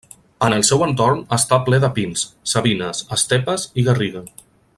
En el seu entorn està ple de pins, savines, estepes i garriga.